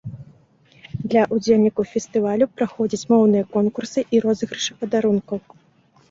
Для ўдзельнікаў фестывалю праходзяць моўныя конкурсы і розыгрышы падарункаў.